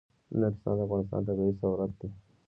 نورستان د افغانستان طبعي ثروت دی.